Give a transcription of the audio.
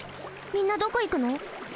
みんなどこ行くの？